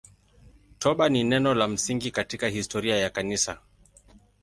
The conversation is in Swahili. Toba ni neno la msingi katika historia ya Kanisa.